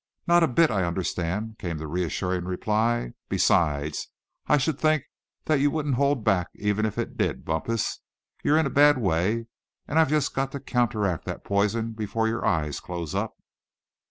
"Not a bit, I understand," came the reassuring reply. "Besides, I should think that you wouldn't hold back, even if it did, Bumpus. You're in a bad way, and I've just got to counteract that poison before your eyes close up."